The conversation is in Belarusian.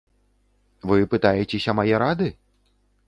Вы пытаецеся мае рады?